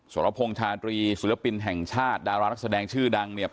สรพงษ์ชาตรีศิลปินแห่งชาติดารานักแสดงชื่อดังเนี่ย